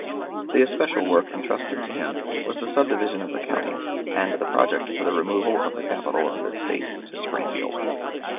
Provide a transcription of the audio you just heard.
The especial work intrusted to him was the subdivision of the county, and the project for the removal of the capital of the State to Springfield.